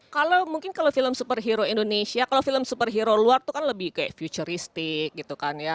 kalau mungkin kalau film superhero indonesia kalau film superhero luar itu kan lebih kayak futuristik gitu kan ya